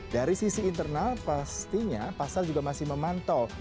dari sisi internal pastinya pasal juga masih memantau